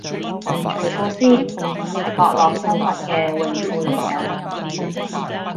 除褲先，係角落生物嘅泳褲嚟㗎